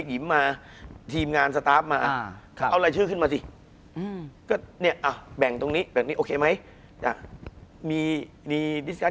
คุณผู้ชมบางท่าอาจจะไม่เข้าใจที่พิเตียร์สาร